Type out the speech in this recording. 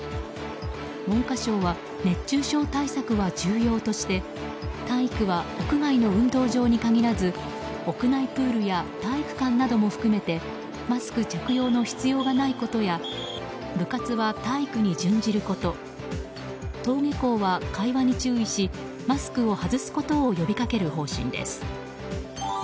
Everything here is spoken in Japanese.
文科省は熱中症対策は重要として体育は屋外の運動場に限らず屋内プールや体育館なども含めてマスク着用の必要がないことや部活は体育に準じること登下校は会話に注意しマスクを外すことを呼びかける方針です。